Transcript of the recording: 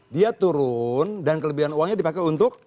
dia turun dan kelebihan uangnya dipakai untuk